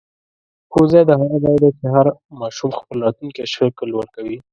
ښوونځی د هغه ځای دی چې هر ماشوم خپل راتلونکی شکل ورکوي.